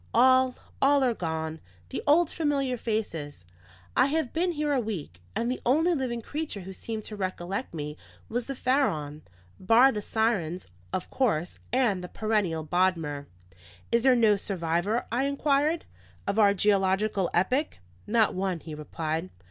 "All, all are gone, the old familiar faces. I have been here a week, and the only living creature who seemed to recollect me was the Pharaon. Bar the Sirons, of course, and the perennial Bodmer." "Is there no survivor?" I inquired. "Of our geological epoch? not one," he replied.